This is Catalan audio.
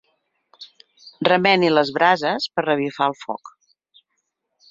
Remeni les brases per revifar el foc.